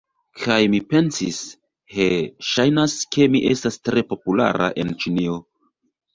Kaj mi pensis, he, ŝajnas ke mi estas tre populara en Ĉinio.